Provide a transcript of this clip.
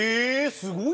すごいね！